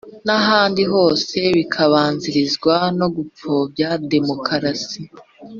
nk' ahandi hose bikabanzirizwa no gupfobya demokarasi.